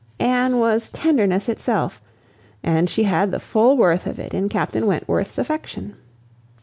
Anne was tenderness itself, and she had the full worth of it in Captain Wentworth's affection.